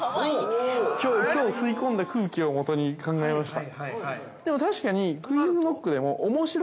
きょう吸い込んだ空気をもとに考えました。